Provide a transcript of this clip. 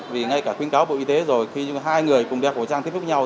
vì ngay cả khuyến cáo bộ y tế rồi khi hai người cùng đeo khẩu trang tiếp xúc nhau